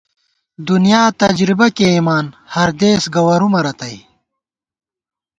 دُنیا تجربہ کېئیمان، ہر دېس گوَرُومہ رتئ